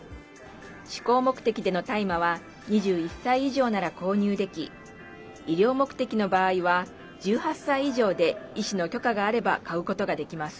しこう目的での大麻は２１歳以上なら購入でき医療目的の場合は１８歳以上で医師の許可があれば買うことができます。